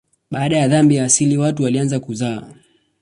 Baada ya dhambi ya asili watu walianza kuzaa.